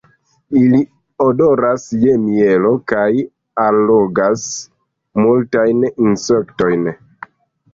Ili odoras je mielo, kaj allogas multajn insektojn.